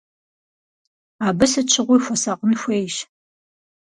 Абы сыт щыгъуи хуэсакъын хуейщ.